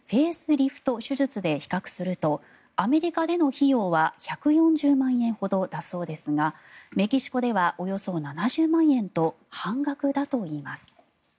リフト手術で比較するとアメリカでの費用は１４０万円ほどだそうですがメキシコではおよそ７０万円と半額だといいます。